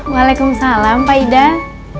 waalaikumsalam pak idan